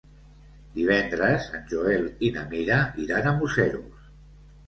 Divendres en Joel i na Mira iran a Museros.